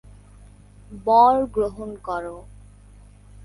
বর গ্রহণ কর।